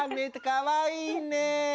かわいいね。